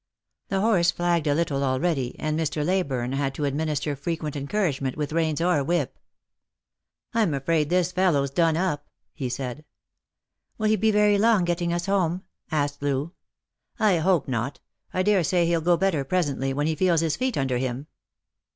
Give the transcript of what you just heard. The horse flagged a little already, and Mr. Leyburne had to administer frequent encouragement with reins or whip. " I'm afraid this fellow's done up," he said. " Will he be very long getting us home P " asked Loo. " I hope not. I daresay he'll go better presently when he feels his feet under him."